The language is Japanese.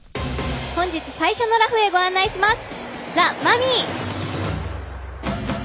本日最初のらふへご案内します。